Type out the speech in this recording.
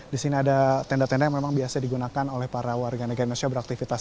di sini ada tenda tenda yang memang biasa digunakan oleh para warga negara indonesia beraktivitas